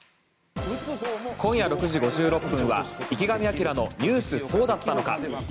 今夜６時５６分は「池上彰のニュースそうだったのか！！」。